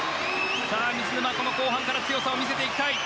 水沼、後半から強さを見せていきたい。